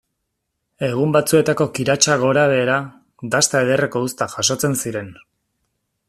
Egun batzuetako kiratsa gorabehera, dasta ederreko uztak jasotzen ziren.